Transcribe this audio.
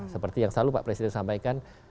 seperti yang selalu pak presiden sampaikan